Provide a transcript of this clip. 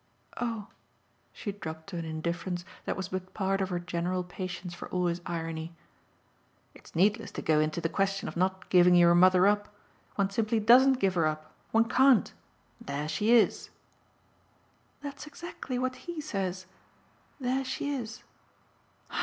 "Oh!" She dropped to an indifference that was but part of her general patience for all his irony. "It's needless to go into the question of not giving your mother up. One simply DOESN'T give her up. One can't. There she is." "That's exactly what HE says. There she is."